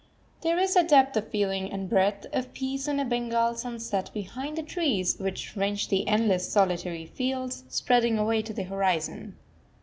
There is a depth of feeling and breadth of peace in a Bengal sunset behind the trees which fringe the endless solitary fields, spreading away to the horizon.